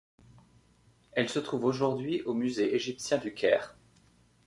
Elle se trouve aujourd'hui au Musée égyptien du Caire.